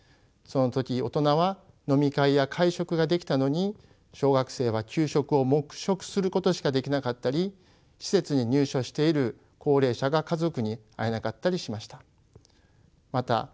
その時大人は飲み会や会食ができたのに小学生は給食を黙食することしかできなかったり施設に入所している高齢者が家族に会えなかったりしました。